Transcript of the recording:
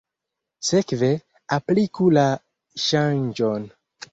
Sekve, apliku la ŝanĝon.